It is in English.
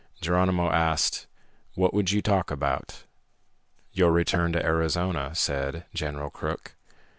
Geronimo asked, "What would you talk about?" "Your return to Arizona," said General Crook.